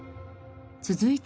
続いては。